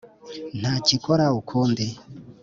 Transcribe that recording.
Ntacyikora ukundi,